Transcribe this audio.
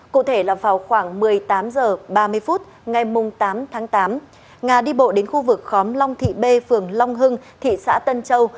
cụ thể là vào khoảng một mươi tám h ba mươi phút ngày tám tháng tám nga đi bộ đến khu vực khóm long thị b phường long hưng thị xã tân châu